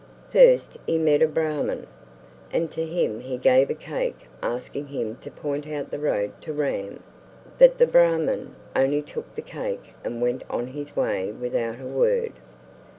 First he met a Brahman, and to him he gave a cake asking him to point out the road to Ram; but the Brahman only took the cake and went on his way without a word.